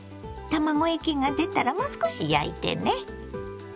卵液が出たらもう少し焼いてね。